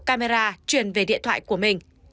camera truyền về điện thoại của mình